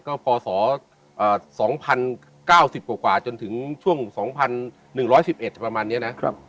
ก็พศ๒๐๙๐กว่าจนถึงช่วง๒๑๑๑๑ประมาณนี้นะ